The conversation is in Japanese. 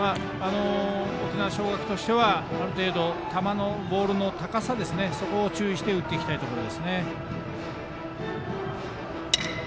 沖縄尚学としては、ある程度ボールの高さですね、そこを注意して打っていきたいですね。